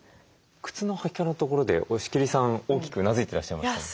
靴の履き方のところで押切さん大きくうなずいてらっしゃいましたね。